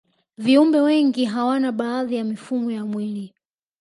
viumbe wengi hawana baadhi ya mifumo ya mwili